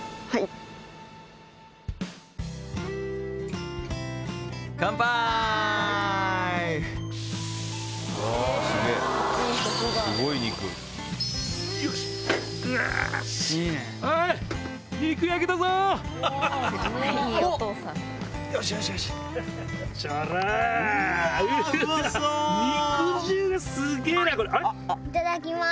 いただきます。